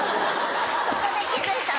そこで気付いたんだ。